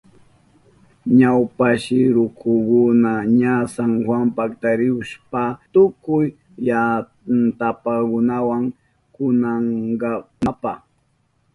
Ñawpashi rukukunaka ña San Juan paktarihushpan tukuy yantapayanahun kununankunapa.